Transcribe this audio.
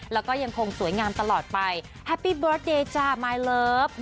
แล้วก็ยังคงสวยงามตลอดไปแฮปปี้เบิร์ตเดย์จ้ามายเลิฟ